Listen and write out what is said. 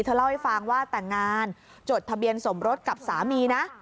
เล่าให้ฟังว่าแต่งงานจดทะเบียนสมรสกับสามีนะ